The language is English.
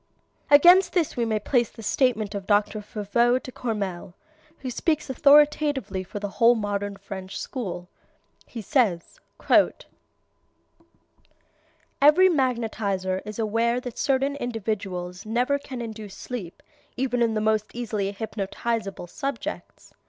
Against this we may place the statement of Dr. Foveau de Courmelles, who speaks authoritatively for the whole modern French school. He says: "Every magnetizer is aware that certain individuals never can induce sleep even in the most easily hypnotizable subjects.